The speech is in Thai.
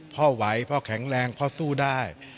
พ่อไหวพ่อแข็งแรงพ่อสู้ได้